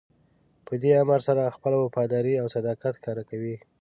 په دې امر سره خپله وفاداري او صداقت ښکاره کوئ.